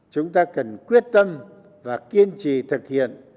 chúng ta cần quyết tâm và kiên trì thực hiện